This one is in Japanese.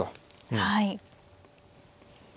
はい。